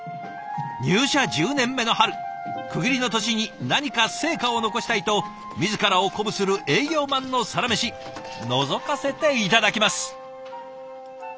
入社１０年目の春区切りの年に何か成果を残したいと自らを鼓舞する営業マンのサラメシのぞかせて頂きます。